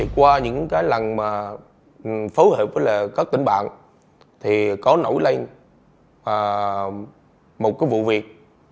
qua những cái lần mà phối hợp với các tỉnh bạn thì có nổi lên một cái vụ việc